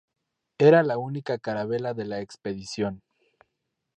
Era la única carabela de la expedición.